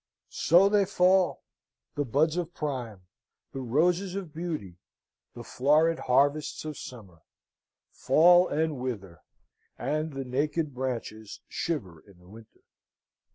So they fall the buds of prime, the roses of beauty, the florid harvests of summer, fall and wither, and the naked branches shiver in the winter.